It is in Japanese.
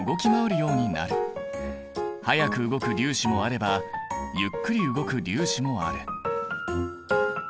速く動く粒子もあればゆっくり動く粒子もある。